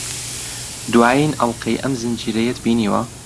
دوایین ئەڵقەی ئەم زنجیرەیەت بینیوە؟